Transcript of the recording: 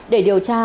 để điều tra